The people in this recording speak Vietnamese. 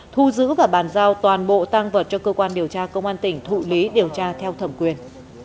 thu giữ và bàn giao toàn bộ tăng vật cho cơ quan điều tra công an tỉnh thụ lý điều tra theo thẩm quyền